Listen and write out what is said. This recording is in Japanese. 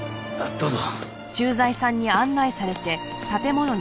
どうぞ。